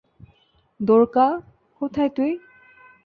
দ্বোরকা, কোথায় তুই?